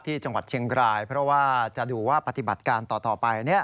ที่จังหวัดเชียงรายเพราะว่าจะดูว่าปฏิบัติการต่อไป